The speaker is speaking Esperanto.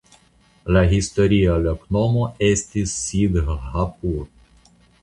La historia loknomo estis "Sidhhapur".